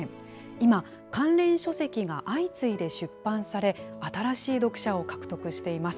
今、関連書籍が相次いで出版され、新しい読者を獲得しています。